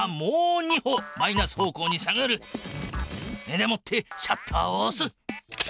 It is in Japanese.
でもってシャッターをおす。